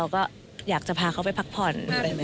ก็อยากจะพาเขาไปพักผ่อน